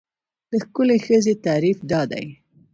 د ښکلې ښځې تعریف دا دی.